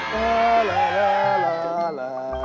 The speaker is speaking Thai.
แลลลา